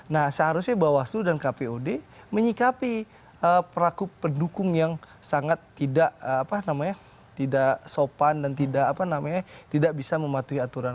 nah seharusnya bawaslu dan kpud menyikapi peraku pendukung yang sangat tidak sopan dan tidak bisa mematuhi aturan